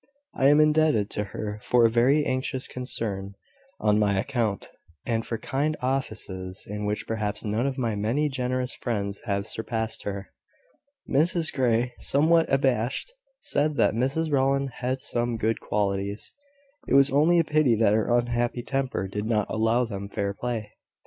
"I am indebted to her for a very anxious concern on my account, and for kind offices in which perhaps none of my many generous friends have surpassed her." Mrs Grey, somewhat abashed, said that Mrs Rowland had some good qualities: it was only a pity that her unhappy temper did not allow them fair play.